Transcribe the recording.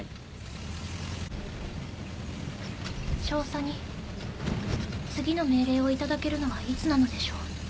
少佐に次の命令を頂けるのはいつなのでしょう？